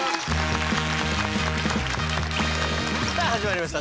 さあ始まりました